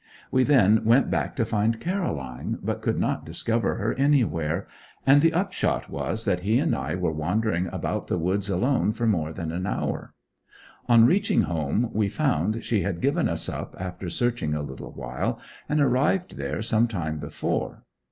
We then went back to find Caroline, but could not discover her anywhere, and the upshot was that he and I were wandering about the woods alone for more than an hour. On reaching home we found she had given us up after searching a little while, and arrived there some time before.